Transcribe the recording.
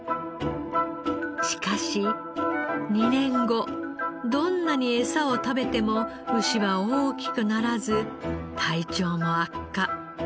しかし２年後どんなにエサを食べても牛は大きくならず体調も悪化。